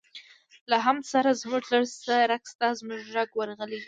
له حمد سره زموږ لږ څه رګ شته، زموږ رګ ورغلی دی.